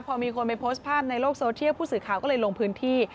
พอมีคนไปโพสต์ภาพในโลกโซเทียลผู้สื่อข่าวก็เลยลงพื้นที่